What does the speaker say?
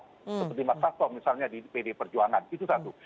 seperti masas tol misalnya di pdi perjuangan itu satu